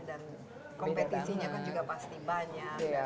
dan kompetisinya kan juga pasti banyak